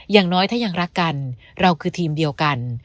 อย่างน้อยถ้ายังรักกันเราคือทีมเดียวกัน